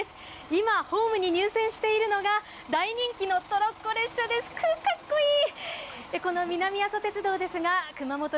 今ホームに入線しているのが大人気のトロッコ列車です、く、かっこいい！